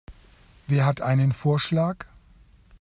Wer hat einen Vorschlag?